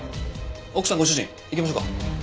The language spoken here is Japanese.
奥さんご主人行きましょうか。